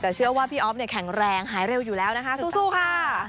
แต่เชื่อว่าพี่อ๊อฟเนี่ยแข็งแรงหายเร็วอยู่แล้วนะคะสู้ค่ะ